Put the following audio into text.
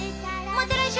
また来週！